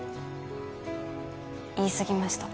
言いすぎました。